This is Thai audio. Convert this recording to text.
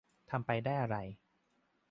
ทำไปได้อะไร